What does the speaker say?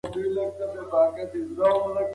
عمر په پوره غور سره د غلام ځوابونه یاداښت کړل.